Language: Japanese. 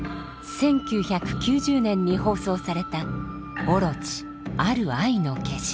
１９９０年に放送された「ＯＲＯＣＨＩ大蛇ある愛の化身」。